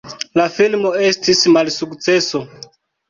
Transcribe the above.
La filmo estis malsukceso.